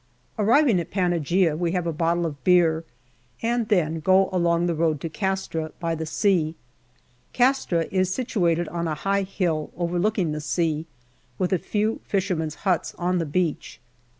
Arriving at Panaghia, we have a bottle of beer, and then go on along the road to Castra, by the sea. Castra is 220 GALLIPOLI DIARY situated on a high hill overlooking the sea, with a few fishermen's huts on the beach.